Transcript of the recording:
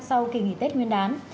sau kỳ nghỉ tết nguyên đán